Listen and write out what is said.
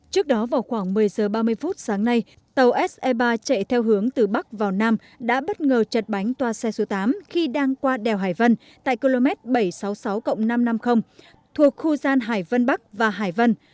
trước đó vào khoảng một mươi giờ ba mươi phút sáng nay tàu se ba chạy theo hướng từ bắc vào nam đã bất ngờ chật bánh toa xe số tám khi đang qua đèo hải vân tại km bảy trăm sáu mươi sáu năm trăm năm mươi thuộc khu gian hải vân bắc và hải vân